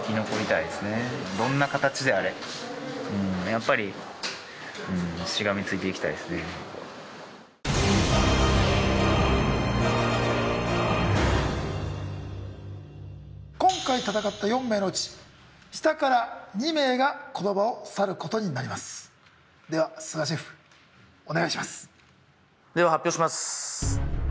やっぱり今回戦った４名のうち下から２名がこの場を去ることになりますでは須賀シェフお願いしますでは発表します